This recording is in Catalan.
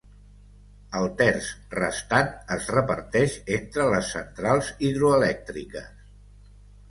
El terç restant es reparteix entre les centrals hidroelèctriques.